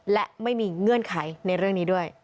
และไม่มีเงื่อนไขในเรื่องนี้ด้วย